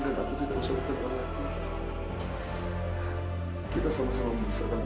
atau yudi harus mengalami cuci darah pak